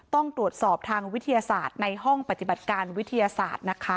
ต้องตรวจสอบทางวิทยาศาสตร์ในห้องปฏิบัติการวิทยาศาสตร์นะคะ